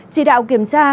chỉ đạo kiểm tra